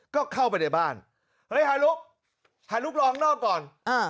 ก็เข้าไปในบ้านเฮ้ยฮาลุกฮาลุกรองนอกก่อน